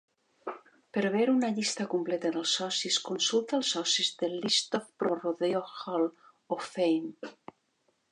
Per veure una llista completa dels socis, consulta els socis de List of ProRodeo Hall of Fame.